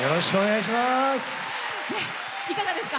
いかがですか？